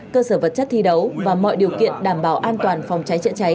cơ sở vật chất thi đấu và mọi điều kiện đảm bảo an toàn phòng cháy chữa cháy